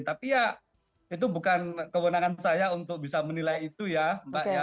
tapi ya itu bukan kewenangan saya untuk bisa menilai itu ya mbak ya